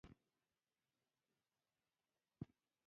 د لرغونو وسلو ښخېدو ځای معلوم شو.